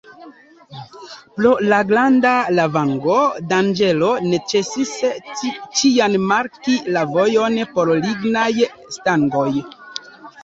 Pro la granda lavango-danĝero necesis ĉiam marki la vojon per lignaj stangoj.